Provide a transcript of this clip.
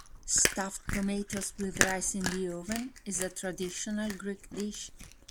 Stuffed tomatoes with rice in the oven, is a traditional Greek dish.